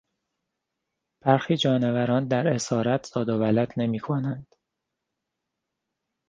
برخی جانوران در اسارت زاد و ولد نمیکنند.